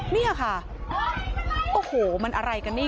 นี่ค่ะโอ้โหมันอะไรกันนี่